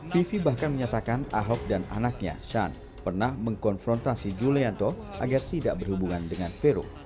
vivi bahkan menyatakan ahok dan anaknya shan pernah mengkonfrontasi julianto agar tidak berhubungan dengan vero